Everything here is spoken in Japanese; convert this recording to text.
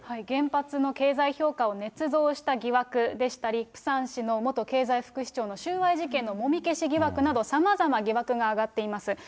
原発の経済評価をねつ造した疑惑でしたり、プサン市の元経済副市長の収賄事件のもみ消し疑惑など、さまざま疑惑が上がっています。